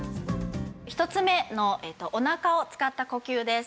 １つ目のお腹を使った呼吸です。